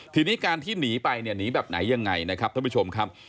ทีนี้การที่หนีไปเนี่ยหนีแบบไหนยังไงนะครับท่านผู้ชมครับ